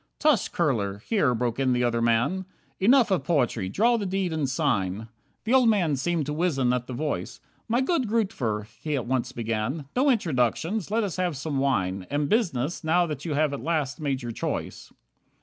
"Tush, Kurler," here broke in the other man, "Enough of poetry, draw the deed and sign." The old man seemed to wizen at the voice, "My good friend, Grootver, " he at once began. "No introductions, let us have some wine, And business, now that you at last have made your choice."